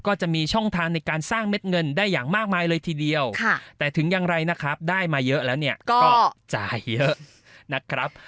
ก็จะมีช่องทางในการสร้างเม็ดเงินได้อย่างมากมายเลยทีเดียวแต่ถึงอย่างไรนะครับได้มาเยอะแล้วเนี่ยก็จ่ายเยอะนะครับ